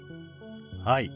はい。